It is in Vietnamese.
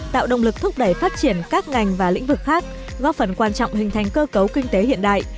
tạo động lực thúc đẩy phát triển các ngành và lĩnh vực khác góp phần quan trọng hình thành cơ cấu kinh tế hiện đại